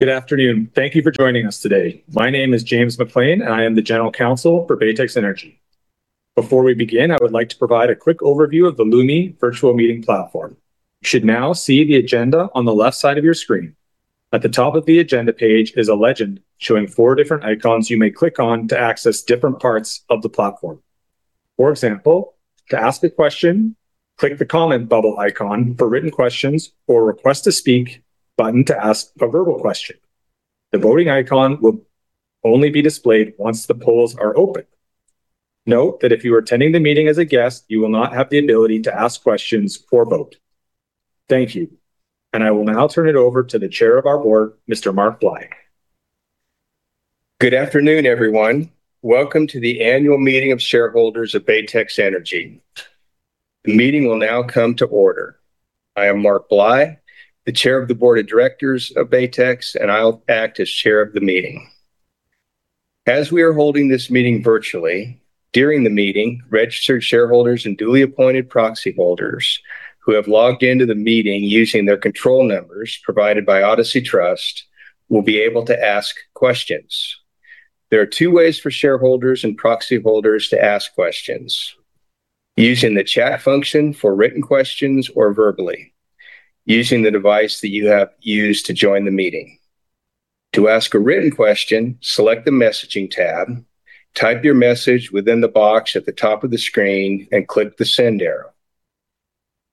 Good afternoon. Thank you for joining us today. My name is James Maclean, and I am the general counsel for Baytex Energy. Before we begin, I would like to provide a quick overview of the Lumi virtual meeting platform. You should now see the agenda on the left side of your screen. At the top of the agenda page is a legend showing four different icons you may click on to access different parts of the platform. For example, to ask a question, click the comment bubble icon for written questions or Request to Speak button to ask a verbal question. The voting icon will only be displayed once the polls are open. Note that if you are attending the meeting as a guest, you will not have the ability to ask questions or vote. Thank you. I will now turn it over to the Chair of our Board, Mr. Mark Bly. Good afternoon, everyone. Welcome to the annual meeting of shareholders of Baytex Energy. The meeting will now come to order. I am Mark Bly, the Chair of the Board of Directors of Baytex, and I'll act as chair of the meeting. As we are holding this meeting virtually, during the meeting, registered shareholders and duly appointed proxy holders who have logged into the meeting using their control numbers provided by Odyssey Trust will be able to ask questions. There are two ways for shareholders and proxy holders to ask questions: using the chat function for written questions or verbally using the device that you have used to join the meeting. To ask a written question, select the messaging tab, type your message within the box at the top of the screen and click the send arrow.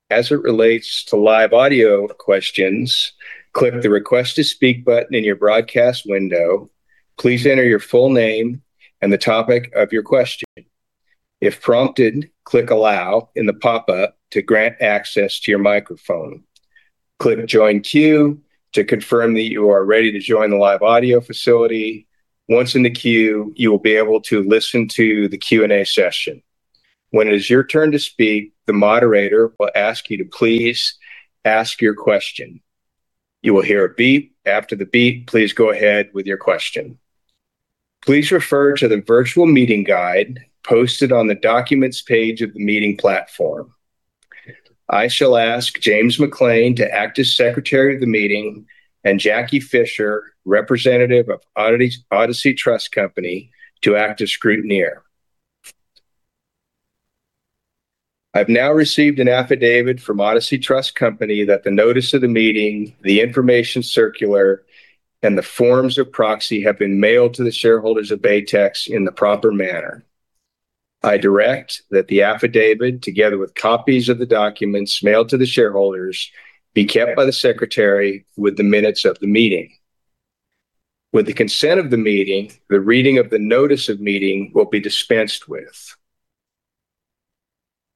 As it relates to live audio questions, click the Request to Speak button in your broadcast window. Please enter your full name and the topic of your question. If prompted, click Allow in the pop-up to grant access to your microphone. Click Join Queue to confirm that you are ready to join the live audio facility. Once in the queue, you will be able to listen to the Q&A session. When it is your turn to speak, the moderator will ask you to please ask your question. You will hear a beep. After the beep, please go ahead with your question. Please refer to the virtual meeting guide posted on the Documents page of the meeting platform. I shall ask James Maclean to act as secretary of the meeting and Jackie Fisher, representative of Odyssey Trust Company, to act as scrutineer. I've now received an affidavit from Odyssey Trust Company that the notice of the meeting, the information circular, and the forms of proxy have been mailed to the shareholders of Baytex in the proper manner. I direct that the affidavit, together with copies of the documents mailed to the shareholders, be kept by the secretary with the minutes of the meeting. With the consent of the meeting, the reading of the notice of meeting will be dispensed with.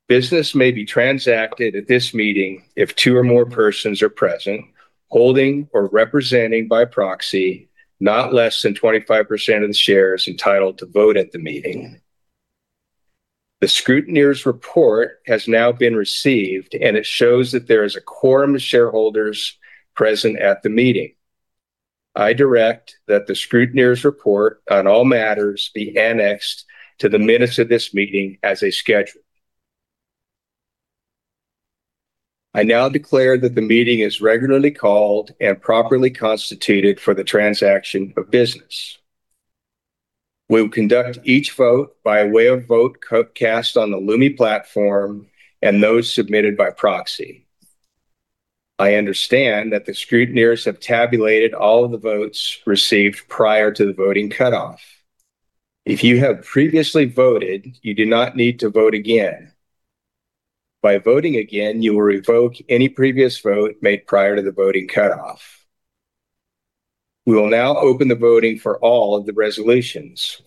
Business may be transacted at this meeting if two or more persons are present, holding or representing by proxy, not less than 25% of the shares entitled to vote at the meeting. The scrutineer's report has now been received, and it shows that there is a quorum of shareholders present at the meeting. I direct that the scrutineer's report on all matters be annexed to the minutes of this meeting as a schedule. I now declare that the meeting is regularly called and properly constituted for the transaction of business. We will conduct each vote by way of vote cast on the Lumi platform and those submitted by proxy. I understand that the scrutineers have tabulated all of the votes received prior to the voting cutoff. If you have previously voted, you do not need to vote again. By voting again, you will revoke any previous vote made prior to the voting cutoff. We will now open the voting for all of the resolutions.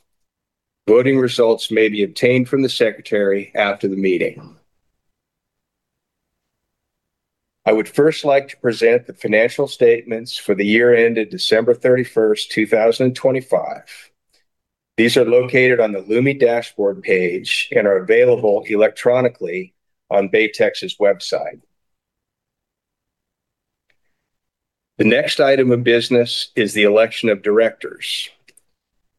Voting results may be obtained from the secretary after the meeting. I would first like to present the financial statements for the year ended December 31, 2025. These are located on the Lumi dashboard page and are available electronically on Baytex's website. The next item of business is the election of directors.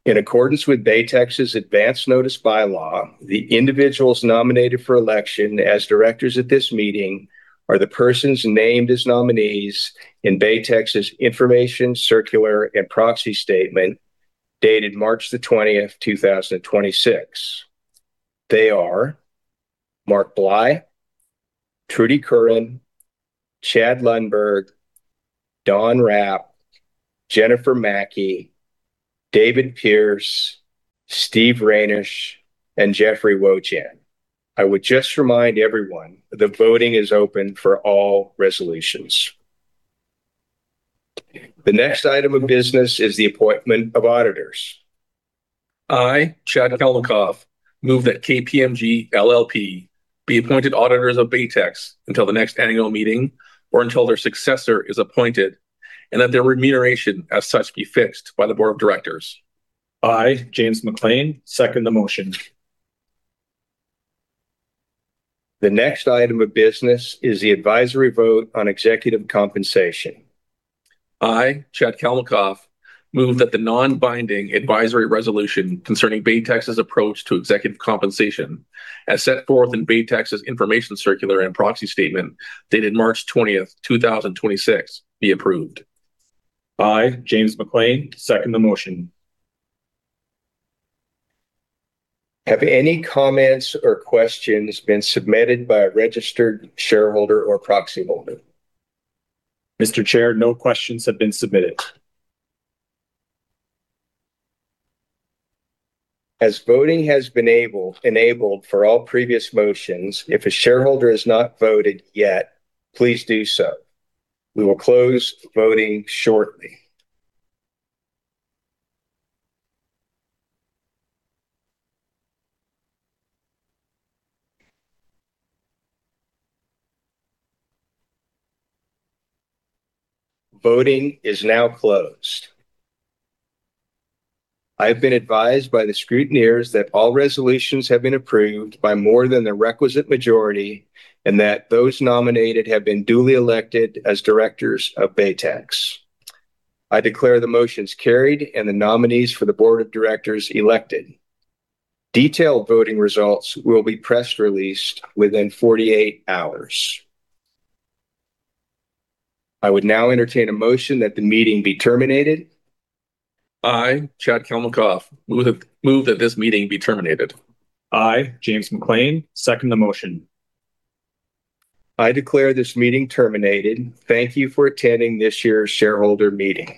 In accordance with Baytex's advanced notice bylaw, the individuals nominated for election as directors at this meeting are the persons named as nominees in Baytex's information circular and proxy statement dated March 20, 2026. They are Mark Bly, Trudy Curran, Chad Lundberg, Don Hrap, Jennifer Maki, David Pearce, Steve Reynish, and Jeffrey Wojahn. I would just remind everyone that the voting is open for all resolutions. The next item of business is the appointment of auditors. I, Chad Kalmakoff, move that KPMG LLP be appointed auditors of Baytex until the next annual meeting or until their successor is appointed, and that their remuneration as such be fixed by the board of directors. I, James Maclean, second the motion. The next item of business is the advisory vote on executive compensation. I, Chad Kalmakoff, move that the non-binding advisory resolution concerning Baytex's approach to executive compensation as set forth in Baytex's information circular and proxy statement dated March 20th, 2026 be approved. I, James Maclean, second the motion. Have any comments or questions been submitted by a registered shareholder or proxy holder? Mr. Chair, no questions have been submitted. As voting has been enabled for all previous motions, if a shareholder has not voted yet, please do so. We will close voting shortly. Voting is now closed. I have been advised by the scrutineers that all resolutions have been approved by more than the requisite majority and that those nominated have been duly elected as directors of Baytex. I declare the motions carried and the nominees for the board of directors elected. Detailed voting results will be press released within 48 hours. I would now entertain a motion that the meeting be terminated. I, Chad Kalmakoff, move that this meeting be terminated. I, James Maclean, second the motion. I declare this meeting terminated. Thank you for attending this year's shareholder meeting.